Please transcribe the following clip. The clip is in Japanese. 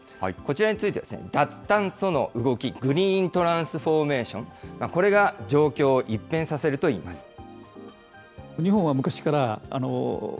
こちらについて、脱炭素の動き、グリーントランスフォーメーション、これが状況を一変させるといいます。